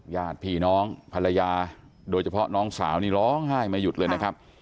ญาติพี่น้องภรรยาโดยเฉพาะน้องสาวนี่ร้องไห้ไม่หยุดเลยนะครับ